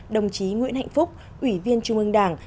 đồng chí nguyễn hạnh phúc ủy viên trung ương đảng